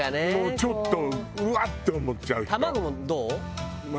ちょっとうわって思っちゃう人。